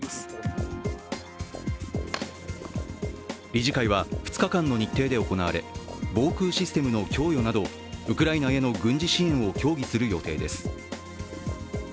理事会は２日間の日程で行われ防空システムの供与などウクライナへの軍事支援を協議する予定です。